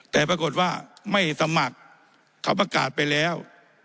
แต่ปรากฏว่าไม่สมัครเขาประกาศไปแล้ว